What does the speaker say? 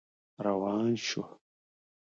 روان شو.